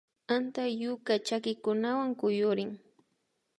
Antapyuka chakikunawan kuyurin